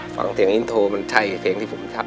ฟังเสียงอินโทรมันใช่เพลงที่ผมชอบ